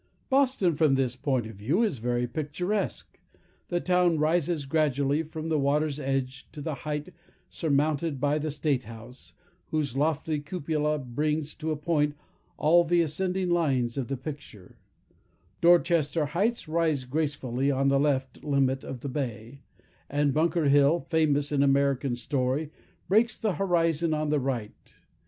Boston, from this point of view, is very picturesque. The town rises gradually from the water's edge to the height surmounted by the State House, whose lofty cupola brings to a point all the ascending lines of the picture; Dorchester Heights rise gracefully on the left limit of the bay, and Bunker Hill, famous in American story, breaks the horizon on the right.